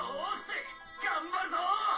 頑張るぞ！」。